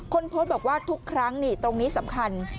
คนโพสต์บอกว่าทุกครั้งนี่ตรงนี้สำคัญ